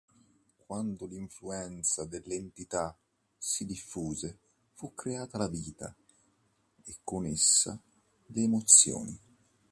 Quando l'influenza dell'"Entità" si diffuse, fu creata la vita e, con essa, le emozioni.